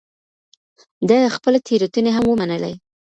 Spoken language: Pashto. ده خپلې تېروتني هم ومنلې